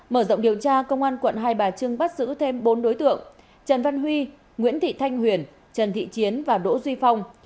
mở rộng điều tra công an quận hai bà trưng bắt giữ thêm bốn đối tượng trần văn huy nguyễn thị thanh huyền trần thị chiến và đỗ duy phong